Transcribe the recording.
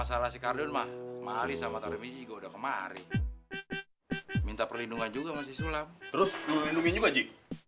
terus lo lindungin juga ji